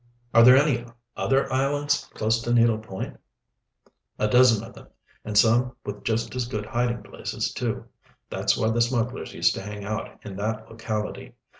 "Are there any other islands close to Needle Point?" "A dozen of them, and some with just as good hiding places, too. That's why the smugglers used to hang out in that locality.